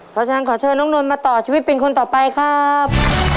เพราะฉะนั้นขอเชิญน้องนนท์มาต่อชีวิตเป็นคนต่อไปครับ